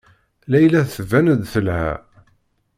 Layla tban-d telha.